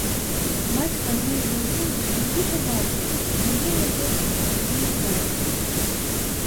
Бацька адной з дзяўчынак нібыта бачыў, яе яго замыкалі.